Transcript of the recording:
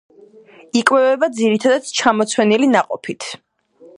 იკვებება ძირითადად ჩამოცვენილი ნაყოფით.